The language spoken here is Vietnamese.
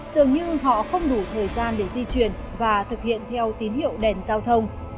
dường như họ không đủ thời gian để di chuyển và thực hiện theo tín hiệu đèn giao thông